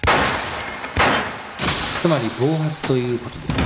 つまり暴発という事ですか？